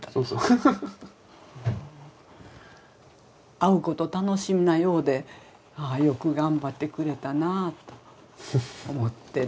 会うこと楽しみなようでああよく頑張ってくれたなあと思ってる。